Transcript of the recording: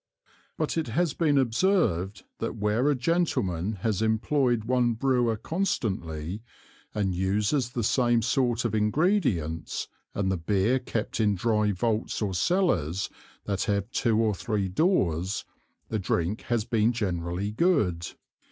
But it has been observed that where a Gentleman has imployed one Brewer constantly, and uses the same sort of Ingredients, and the Beer kept in dry Vaults or Cellars that have two or three Doors; the Drink has been generally good.